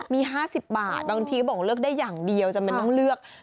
มี๕๐บาทบางทีก็บอกเลือกได้อย่างเดียวจำเป็นต้องเลือก